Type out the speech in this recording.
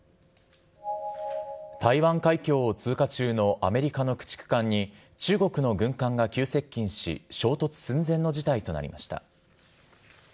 台湾海峡を通過中のアメリカの駆逐艦に中国の軍艦が急接近し、衝突寸前の事態となりました。